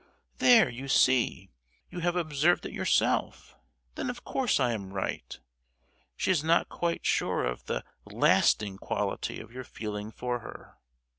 "There, you see! you have observed it yourself; then of course I am right. She is not quite sure of the lasting quality of your feeling for her!